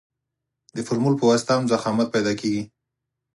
د فورمول په واسطه هم ضخامت پیدا کیږي